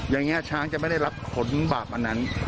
อย่างนี้ช้างจะไม่ได้รับขนบาปอันนั้น